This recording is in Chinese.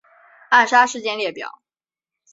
暗杀事件列表